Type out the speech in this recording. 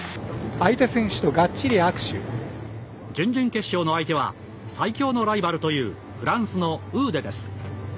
準々決勝の相手は最強のライバルというフランスのウーデです。